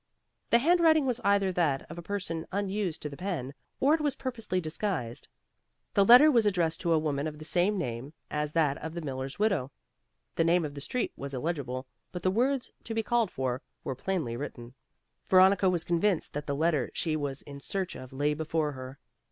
The handwriting was either that of a person unused to the pen, or it was purposely disguised. The letter was addressed to a woman of the same name as that of the miller's widow. The name of the street was illegible, but the words "To be called for," were plainly written. Veronica was convinced that the letter she was in search of lay before her.